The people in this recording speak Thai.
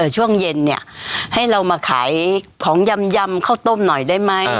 ช่วงเย็นเนี่ยให้เรามาขายของยำข้าวต้มหน่อยได้ไหม